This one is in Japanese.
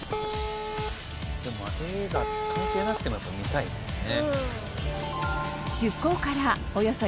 でも映画関係なくても見たいですもんね。